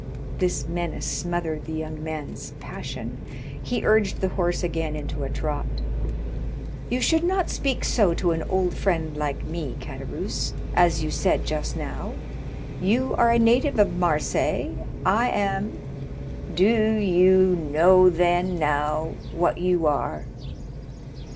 This menace smothered the young man's passion. He urged the horse again into a trot. "You should not speak so to an old friend like me, Caderousse, as you said just now; you are a native of Marseilles, I am——" "Do you know then now what you are?"